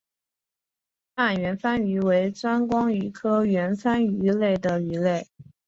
暗圆帆鱼为钻光鱼科圆帆鱼属的鱼类。